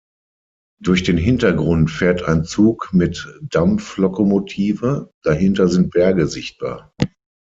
Durch den Hintergrund fährt ein Zug mit Dampflokomotive, dahinter sind Berge sichtbar.